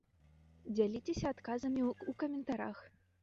Дзяліцеся адказамі ў каментарах!